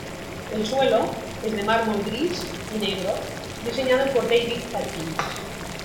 El suelo es de mármol gris y negro diseñado por David Atkins.